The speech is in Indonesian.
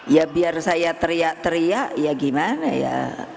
ya biar saya teriak teriak ya gimana ya